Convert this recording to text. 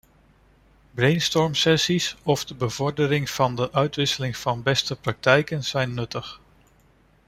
Brainstormsessies of de bevordering van de uitwisseling van beste praktijken zijn nuttig.